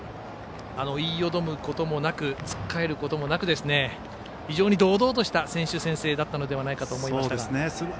言いよどむこともなくつっかえることもなく非常に堂々とした選手宣誓だったのではないかと思います。